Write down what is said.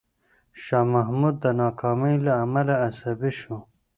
شاه محمود د ناکامۍ له امله عصبي شو.